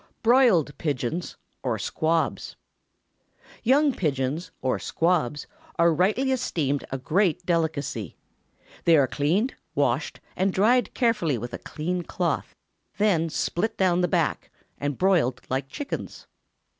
BROILED PIGEONS OR SQUABS. Young pigeons or "squabs" are rightly esteemed a great delicacy. They are cleaned, washed, and dried carefully with a clean cloth; then split down the back, and broiled like chickens.